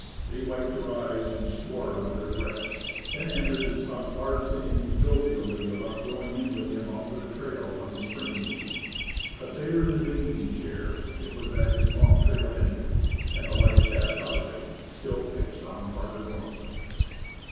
They wiped their eyes and swore under their breaths, then entered and talked largely and jovially about going in with him over the trail when spring came. But there in the big easy chair it was that his Long Trail ended, and the life passed out of him still fixed on "farther north."